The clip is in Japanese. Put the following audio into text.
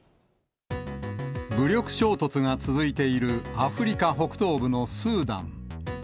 武力衝突が続いているアフリカ北東部のスーダン。